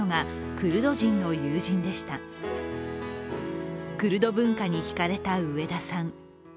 クルド文化にひかれた上田さん。